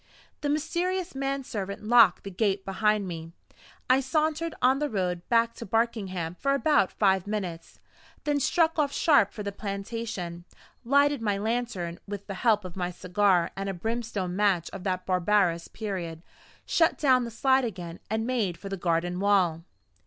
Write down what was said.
The mysterious man servant locked the gate behind me. I sauntered on the road back to Barkingham for about five minutes, then struck off sharp for the plantation, lighted my lantern with the help of my cigar and a brimstone match of that barbarous period, shut down the slide again, and made for the garden wall.